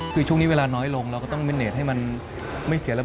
คือช่วงนี้เวลาน้อยลงเราก็ต้องมินเนตให้มันไม่เสียแล้ว